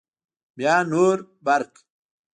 بیا نور برق